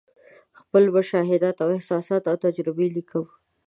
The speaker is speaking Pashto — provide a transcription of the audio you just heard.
خپل مشاهدات، احساسات او تجربې لیکم.